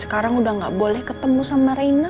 sekarang udah gak boleh ketemu sama reina